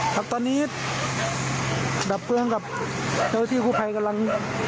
ครับตอนนี้ดับเพลิงกับเจ้าที่คู่ภัยกำลัง